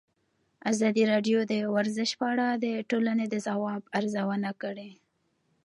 ازادي راډیو د ورزش په اړه د ټولنې د ځواب ارزونه کړې.